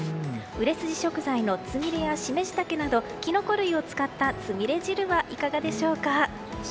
売れ筋食材のつみれやシメジダケなどキノコ類を使ったつみれ汁はいかがでしょうか。